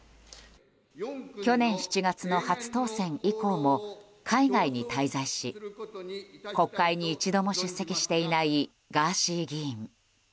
去年７月の初当選以降も海外に滞在し国会に一度も出席していないガーシー議員。